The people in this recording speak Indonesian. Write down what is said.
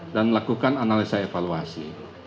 dan melakukan analisa evaluasi